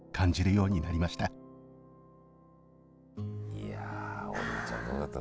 いや王林ちゃんどうだった？